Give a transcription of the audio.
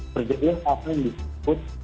berjadilah apa yang disebut